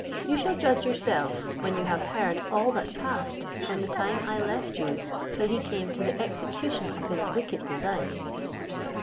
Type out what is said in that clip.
You shall judge yourself, when you have heard all that passed from the time I left you, till he came to the execution of his wicked design."